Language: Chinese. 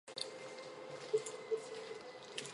螯埃齿螯蛛为球蛛科齿螯蛛属的动物。